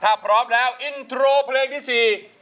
ถ้าพร้อมแล้วอินโทรเพลงที่๔